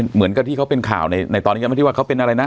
เหมือนกับที่เขาเป็นข่าวในตอนนี้ก็ไม่ได้ว่าเขาเป็นอะไรนะ